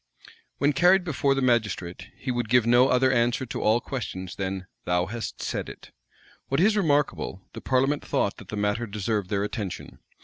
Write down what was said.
When carried before the magistrate, he would give no other answer to all questions than "Thou hast said it." What is remarkable, the parliament thought that the matter deserved their attention.